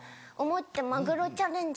えっマグロチャレンジ？